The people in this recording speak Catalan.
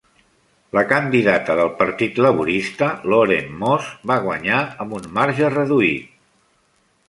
La candidata del Partit Laborista Lauren Moss va guanyar amb un marge reduït.